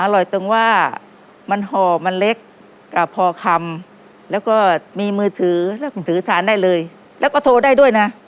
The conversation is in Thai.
ตรงว่ามันห่อมันเล็กกับพอคำแล้วก็มีมือถือทานได้เลยแล้วก็โทรได้ด้วยนะ